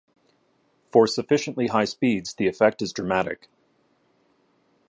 For sufficiently high speeds, the effect is dramatic.